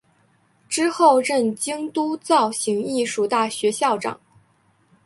之后任京都造形艺术大学校长。